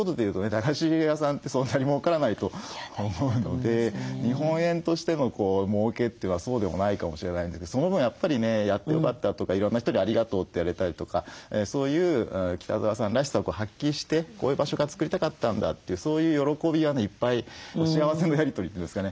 駄菓子屋さんってそんなにもうからないと思うので日本円としてのもうけというのはそうでもないかもしれないんですけどその分やっぱりねやってよかったとかいろんな人にありがとうって言われたりとかそういう北澤さんらしさを発揮してこういう場所が作りたかったんだというそういう喜びはねいっぱい幸せのやり取りというんですかね